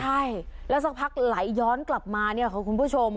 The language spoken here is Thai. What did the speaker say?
ใช่แล้วสักพักไหลย้อนกลับมาเนี่ยค่ะคุณผู้ชม